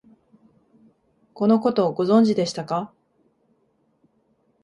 このこと、ご存知でしたか？